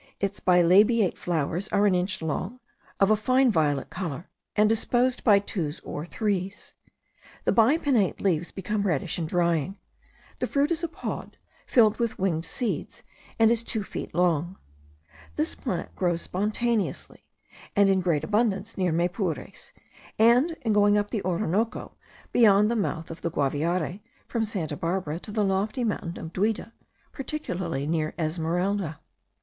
Its bilabiate flowers are an inch long, of a fine violet colour, and disposed by twos or threes. The bipinnate leaves become reddish in drying. The fruit is a pod, filled with winged seeds, and is two feet long. This plant grows spontaneously, and in great abundance, near Maypures; and in going up the Orinoco, beyond the mouth of the Guaviare, from Santa Barbara to the lofty mountain of Duida, particularly near Esmeralda.